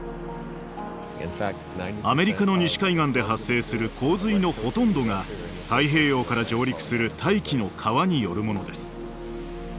アメリカの西海岸で発生する洪水のほとんどが太平洋から上陸する大気の川によるものです。